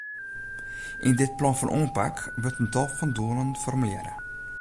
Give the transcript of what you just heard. Yn dit plan fan oanpak wurdt in tal doelen formulearre.